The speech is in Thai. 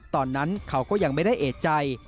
ตอนนั้นเขาก็ยังไม่ได้เอกใจ